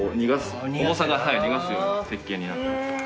重さが逃がすような設計になってます。